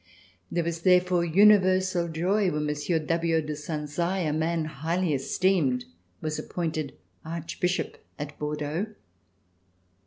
There was therefore universal joy when Monsieur d'Aviau de Sanzai, a man highly esteemed, was appointed Archbishop at Bordeaux.